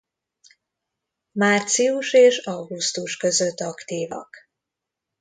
Március és augusztus között aktívak.